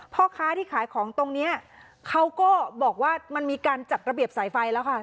พ่อค้าที่ขายของตรงนี้เขาก็บอกว่ามันมีการจัดระเบียบสายไฟแล้วค่ะ